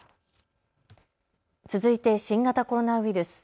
続いて新型コロナウイルス。